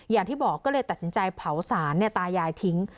อย่างที่บอกก็เลยตัดสินใจเผาสารตายายทิ้ง